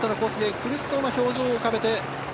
苦しそうな表情を浮かべています。